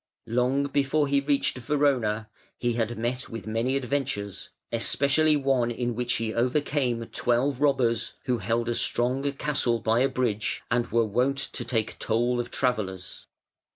Long before he reached Verona he had met with many adventures, especially one in which he overcame twelve robbers who held a strong castle by a bridge and were wont to take toll of travellers.